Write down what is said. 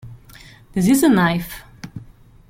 This is a knife!